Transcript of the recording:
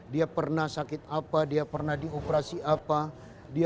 dia pernah sakit apa dia pernah dioperasi apa dia pernah pasang gigi di mana